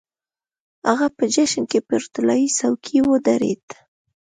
هغه په جشن کې پر طلايي څوکۍ ودرېد.